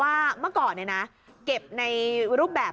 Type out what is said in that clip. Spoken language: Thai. ว่าเมื่อก่อนเลยนะเก็บในรูปแบบ